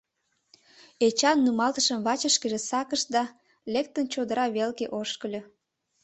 Эчан нумалтышым вачышкыже сакыш да, лектын, чодыра велке ошкыльо.